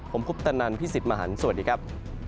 ผมพุทธนันทร์พี่สิทธิ์มหาลสวัสดีครับ